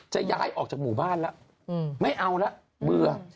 จะย้ายออกจากหมู่บ้านแล้วไม่เอาละเบื่อ